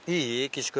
岸君。